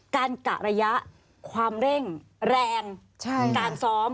กะระยะความเร่งแรงการซ้อม